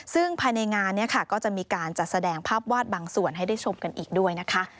ซึ่งภายในงานเนี่ยค่ะก็จะมีการจัดแสดงภาพวาดบางส่วนให้ได้ชมกันอีกด้วยนะคะ